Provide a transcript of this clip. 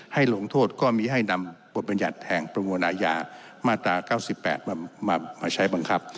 ลงโทษก็มีให้นำบทบรรยัติแห่งประมวลอาญามาตรา๙๘มาใช้บังคับ